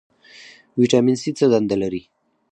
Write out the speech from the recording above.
ویټامین سي څه دنده لري؟